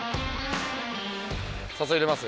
誘いいれます？